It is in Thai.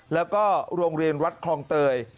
แล้วก็โรงเรียนวัดคลองเตย